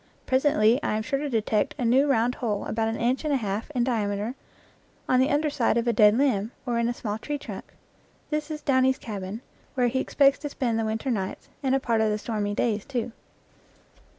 Presently I am sure to de tect a new round hole about an inch and a half in diameter on the under side of a dead limb, or in a small tree trunk. This is Downy's cabin, where he expects to spend the winter nights, and a part of the stormy days, too.